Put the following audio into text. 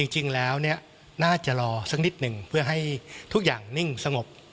จริงแล้วน่าจะรอสักนิดหนึ่งเพื่อให้ทุกอย่างนิ่งสงบ